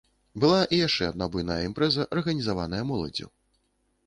Была і яшчэ адна буйная імпрэза, арганізаваная моладдзю.